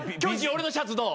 俺のシャツどう？